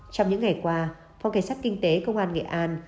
trong những ngày qua phòng cảnh sát kinh tế công an nghệ an